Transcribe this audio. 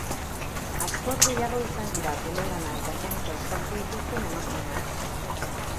Askoz gehiago izan dira telelana eta zaintza uztartu dituzten emakumeak.